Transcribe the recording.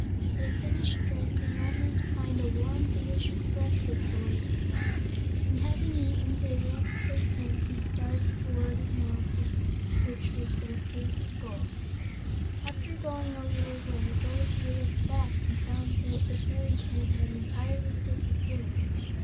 They finished dressing only to find a warm, delicious breakfast awaiting them, and having eaten they left the tent and started toward the mountain which was their first goal. After going a little way Dorothy looked back and found that the fairy tent had entirely disappeared.